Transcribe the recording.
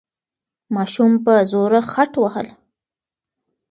ماشوم په زوره خټ وهل.